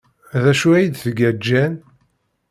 D acu ay d-tga Jane?